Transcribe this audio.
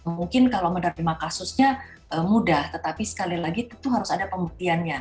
mungkin kalau menerima kasusnya mudah tetapi sekali lagi tentu harus ada pembuktiannya